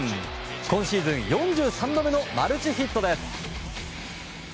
今シーズン４３度目のマルチヒットです。